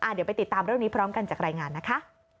เดี๋ยวไปติดตามเรื่องนี้พร้อมกันจากรายงานนะคะ